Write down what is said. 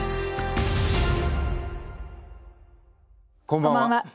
こんばんは。